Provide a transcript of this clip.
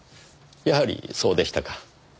やはりそうでしたか。